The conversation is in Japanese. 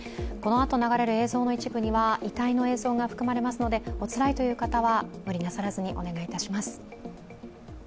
このあと流れる映像の一部には遺体の映像が含まれますのでおつらいという方は無理なさらずにお願いします。